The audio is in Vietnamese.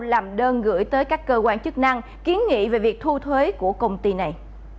làm đơn gửi tới các cơ quan chức năng kiến nghị về việc thu thuế của công ty này